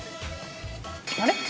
あれ？